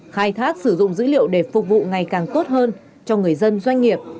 khai thác sử dụng dữ liệu để phục vụ ngày càng tốt hơn cho người dân doanh nghiệp